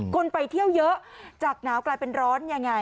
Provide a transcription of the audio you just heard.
คนไปเที่ยวเยอะจากหนาวกลายเป็นร้อนยังไง